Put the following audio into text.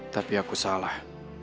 tapi aku salah